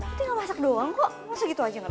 lu tinggal masak doang kok segitu aja gak bisa